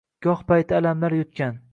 Goh payti alamlar yutgan